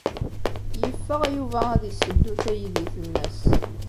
Yeffeɣ Yuba ad yesseddu taydit-nnes.